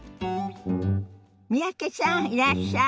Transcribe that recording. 三宅さんいらっしゃい。